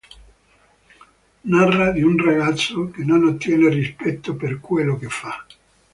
Narra di un ragazzo che non ottiene rispetto per quello che fa.